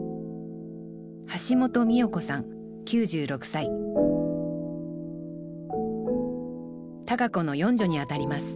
橋本美代子さん９６歳多佳子の四女にあたります